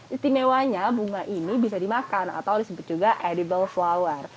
istimewanya bunga ini bisa dimakan atau disebut juga edible flower